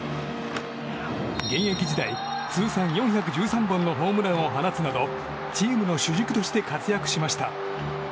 現役時代、通算４１３本のホームランを放つなどチームの主軸として活躍しました。